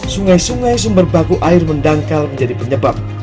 sungai sungai sumber baku air mendangkal menjadi penyebab